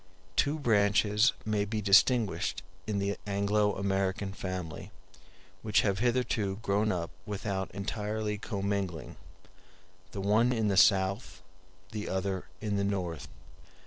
Two branches may be distinguished in the Anglo American family, which have hitherto grown up without entirely commingling; the one in the South, the other in the North.